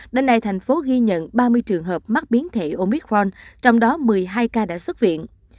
đến nay thành phố ghi nhận ba mươi trường hợp mắc biến thể omitforn trong đó một mươi hai ca đã xuất viện